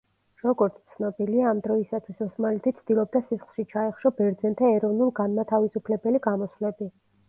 როგორც ცნობილია ამ დროისათვის ოსმალეთი ცდილობდა სისხლში ჩაეხშო ბერძენთა ეროვნულ-განმათავისუფლებელი გამოსვლები.